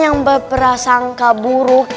yang berperasangka buruk